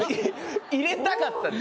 入れたかったんです。